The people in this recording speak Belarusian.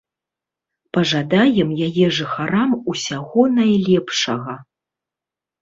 Пажадаем яе жыхарам усяго найлепшага.